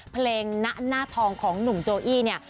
เพลงณหน้าทองของหนุ่มโจอี้เนี่ย